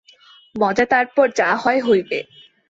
মজা তারপর যা হয় হইবে।